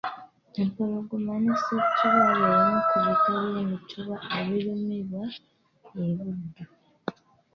Mpologoma ne ssettuba bye bimu ku bika by'emituba ebirimibwa e Buddu